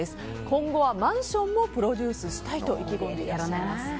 今後はマンションもプロデュースしたいと意気込んでいらっしゃいます。